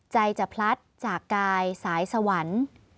ใจจะพลัดจากกายสายสวรรค์